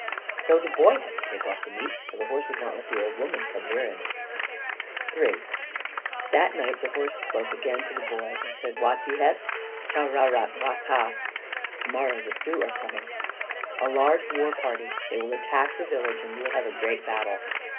So the boy had to take off the meat, for the horse would not let the old woman come near him. III That night the horse spoke again to the boy and said, "Wa ti hes Chah' ra rat wa ta. Tomorrow the Sioux are coming a large war party. They will attack the village, and you will have a great battle.